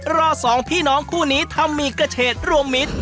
รอสองพี่น้องคู่นี้ทำหมี่กระเฉดรวมมิตร